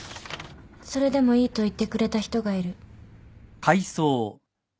それでもいいと言ってくれた人がいる。